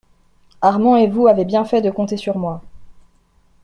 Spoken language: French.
Armand et vous avez bien fait de compter sur moi.